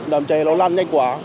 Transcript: đàm cháy nó lan nhanh quá